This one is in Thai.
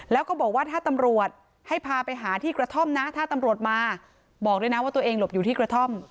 แล้วก็บอกว่าถ้าตำรวจให้พาไปหาที่กระท่อมนะถ้าตำรวจมาบอกด้วยนะว่าตัวเองหลบอยู่ที่กระท่อม